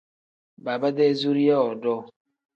Baaba-dee zuriya woodoo.